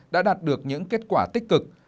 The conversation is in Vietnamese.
đã đạt được những kết quả tích cực